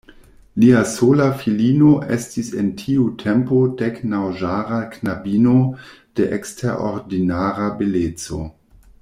Lia sola filino estis en tiu tempo deknaŭjara knabino de eksterordinara beleco.